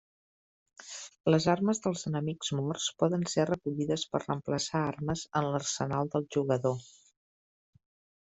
Les armes dels enemics morts poden ser recollides per reemplaçar armes en l'arsenal del jugador.